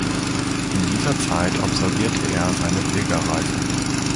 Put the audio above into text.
In dieser Zeit absolvierte er seine Pilgerreise.